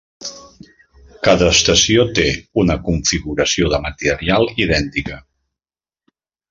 Cada estació té una configuració de material idèntica.